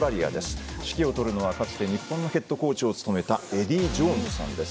指揮を執るのはかつて日本のヘッドコーチを務めたエディー・ジョーンズさんです。